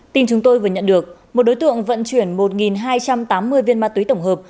tin chúng tôi vừa nhận được một đối tượng vận chuyển một hai trăm tám mươi viên ma túy tổng hợp